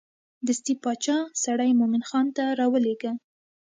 دستې باچا سړی مومن خان ته راولېږه.